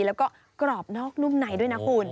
แล้วก็กรอบนอกนุ่มในด้วยนะคุณ